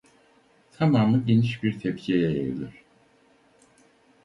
Tamamı geniş bir tepsiye yayılır.